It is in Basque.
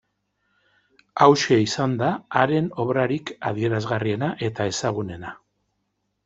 Hauxe izan da haren obrarik adierazgarriena eta ezagunena.